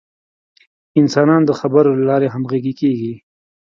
انسانان د خبرو له لارې همغږي کېږي.